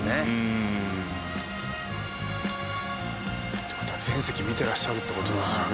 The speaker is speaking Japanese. って事は全席見てらっしゃるって事ですよね。